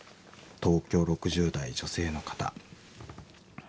東京６０代女性の方。